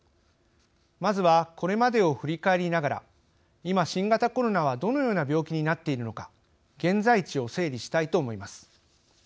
まずはこれまでを振り返りながら今新型コロナはどのような病気になっているのか現在地を整理したいと思います。